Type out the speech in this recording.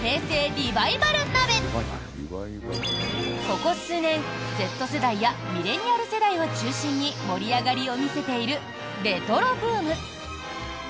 ここ数年Ｚ世代やミレニアル世代を中心に盛り上がりを見せているレトロブーム。